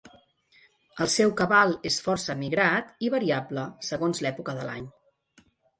El seu cabal és força migrat i variable segons l'època de l'any.